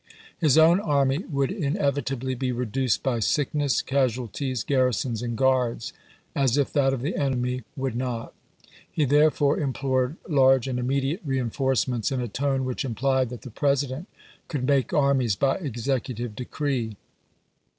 His own army would inevitably be reduced by sickness, casualties, garrisons, and guards — as if that of the enemy would not. He therefore im plored large and immediate reenforcements in a tone which implied that the President could make armies by executive decree.